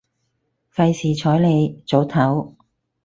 費事睬你，早唞